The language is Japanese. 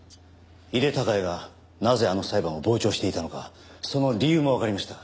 井手孝也がなぜあの裁判を傍聴していたのかその理由もわかりました。